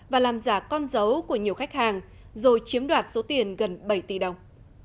và làm giả con dấu của nhiều khách hàng rồi chiếm đoạt số tiền gần bảy tỷ đồng